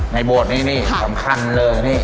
ในโบสถ์นี่สำคัญเลยนี่